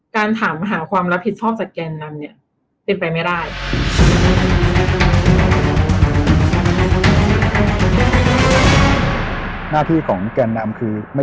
ถามหาความรับผิดชอบจากแกนนำเนี่ยเป็นไปไม่ได้